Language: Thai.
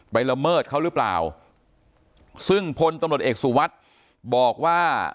ละเมิดเขาหรือเปล่าซึ่งพลตำรวจเอกสุวัสดิ์บอกว่า